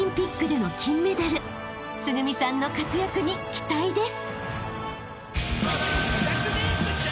［つぐみさんの活躍に期待です］